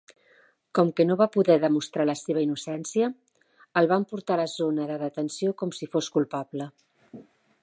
Com que no va poder demostrar la seva innocència, el van portar a la zona de detenció com si fos culpable.